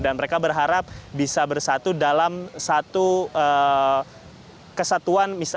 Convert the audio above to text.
dan mereka berharap bisa bersatu dalam satu kesatuan